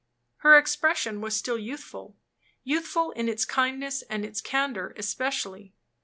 Her expression was still youthful youthful in its kindness and its candor especially.